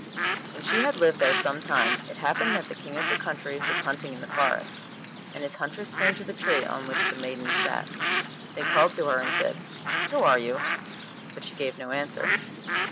When she had lived there some time, it happened that the King of the country was hunting in the forest, and his hunters came to the tree on which the maiden sat. They called to her and said 'Who are you?' But she gave no answer.